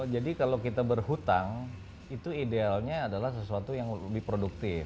jadi kalau kita berhutang itu idealnya adalah sesuatu yang lebih produktif